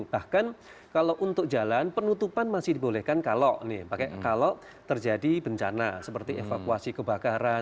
bahkan kalau untuk jalan penutupan masih dibolehkan kalau terjadi bencana seperti evakuasi kebakaran